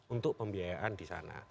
untuk pembiayaan di sana